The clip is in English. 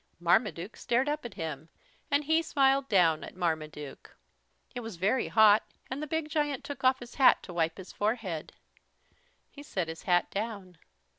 Marmaduke stared up at him and he smiled down at Marmaduke. It was very hot and the big giant took off his hat to wipe his forehead. He set his hat down.